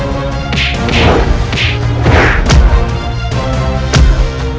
baik ayah ayah